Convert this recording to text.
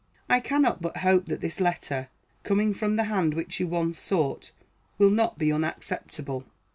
I cannot but hope that this letter, coming from the hand which you once sought, will not be unacceptable.